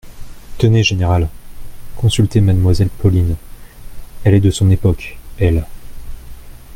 Tenez, général ! consultez mademoiselle Pauline, elle est de son époque, elle.